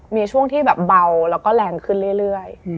มีช่วงที่แบบเบาแล้วก็แรงขึ้นเรื่อย